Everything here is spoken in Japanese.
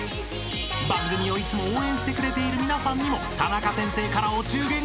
［番組をいつも応援してくれている皆さんにもタナカ先生からお中元が］